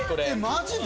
マジで？